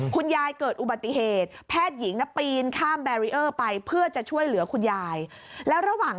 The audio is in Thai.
คุณยายเกิดอุบัติเหตุแพทย์หญิงนะปีนข้ามแบรีเออร์ไปเพื่อจะช่วยเหลือคุณยายแล้วระหว่าง